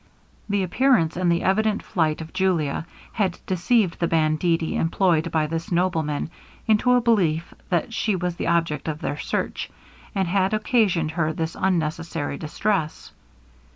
The appearance and the evident flight of Julia had deceived the banditti employed by this nobleman, into a belief that she was the object of their search, and had occasioned her this unnecessary distress.